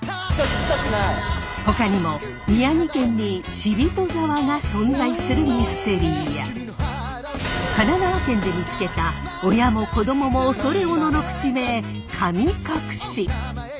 ほかにも宮城県に死人沢が存在するミステリーや神奈川県で見つけた親も子供も恐れおののく地名神隠！